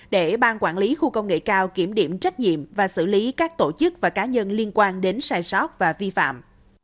để ban quản lý khu công nghệ cao kiểm điểm trách nhiệm và xử lý các tổ chức và cá nhân liên quan đến sai sót và vi phạm